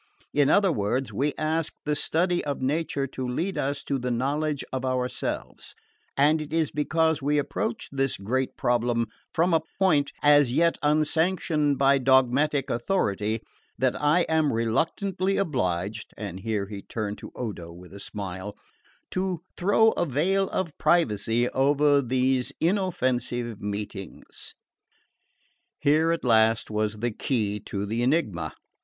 In other words, we ask the study of nature to lead us to the knowledge of ourselves; and it is because we approach this great problem from a point as yet unsanctioned by dogmatic authority, that I am reluctantly obliged" and here he turned to Odo with a smile "to throw a veil of privacy over these inoffensive meetings." Here at last was the key to the enigma.